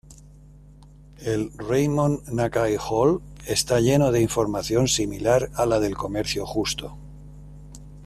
El "Raymond Nakai Hall" está lleno de información similar a la del comercio justo.